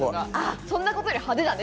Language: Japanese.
そんなことより派手だね。